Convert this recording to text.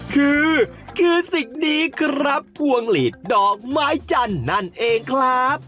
คือคือสิ่งนี้ครับพวงหลีดดอกไม้จันทร์นั่นเองครับ